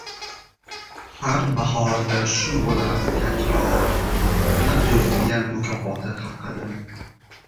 «Har bahorda shu bo‘lar takror...» Yana Zulfiya mukofoti haqida